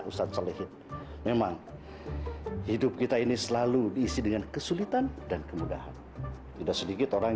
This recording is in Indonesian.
ustadz solihin memang hidup kita ini selalu diisi dengan kesulitan dan kemudahan tidak sedikit orang